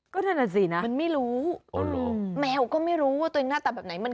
ก็นั่นน่ะสินะมันไม่รู้แมวก็ไม่รู้ว่าตัวเองหน้าตาแบบไหน